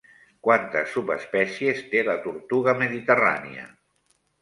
Quantes subespècies té la tortuga mediterrània?